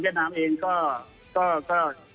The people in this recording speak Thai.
ขออนุญาตให้คนในชาติรักกัน